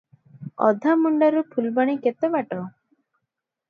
ଅଧାମୁଣ୍ଡାରୁ ଫୁଲବାଣୀ କେତେ ବାଟ?